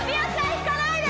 引かないで！